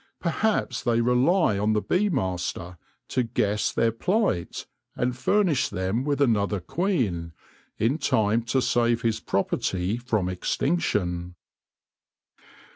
— perhaps they rely on the bee master to guess their plight, and furnish them with another queen, in time to save his property from extinction.